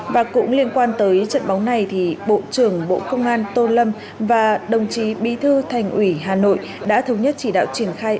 và cũng liên quan tới trận bóng này bộ trưởng bộ công an tô lâm và đồng chí bí thư thành ủy hà nội đã thống nhất chỉ đạo triển khai